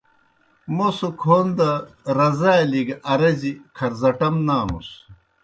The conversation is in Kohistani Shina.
موْس کھون دہ رزالیْ گی ارَزیْ کھرزٹَم نانُس۔